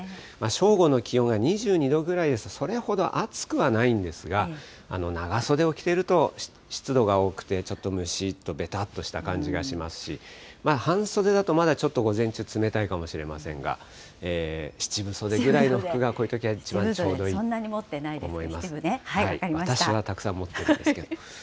正午の気温が２２度ぐらいですと、それほど暑くはないんですが、長袖を着ていると、湿度が多くて、ちょっとむしっと、べたっとした感じがしますし、半袖だと、まだちょっと午前中、冷たいかもしれませんが、七分袖ぐらいの服が、こういうときは一番ちょうどいいそんなに持ってないですけど私はたくさん持ってるんですけれども。